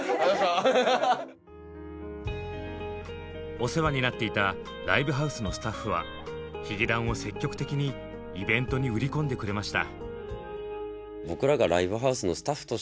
お世話になっていたライブハウスのスタッフはヒゲダンを積極的にイベントに売り込んでくれました。